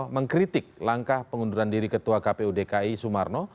mengkritik langkah pengunduran diri ketua kpu dki sumarno